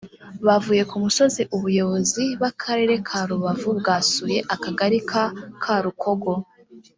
Bavuye ku musozi ubuyobozi b’akarere ka Rubavu bwasuye akagari ka Karukogo